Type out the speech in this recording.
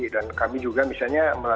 dan kami juga misalnya